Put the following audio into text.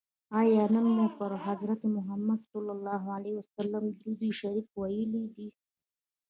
آیا نن مو پر حضرت محمد صلی الله علیه وسلم درود شریف ویلي دی؟